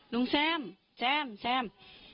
ลุงแซมแซมแซม